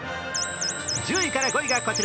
１０位から６位はこちら。